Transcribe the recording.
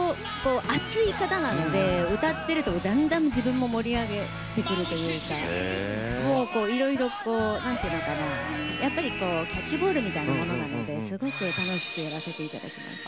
熱い方なので歌ってるとだんだん自分も盛り上げてくるというかいろいろ何というのかなキャッチボールみたいなものがあってすごく楽しくやらせて頂きました。